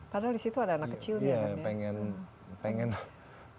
padahal di situ ada anak kecil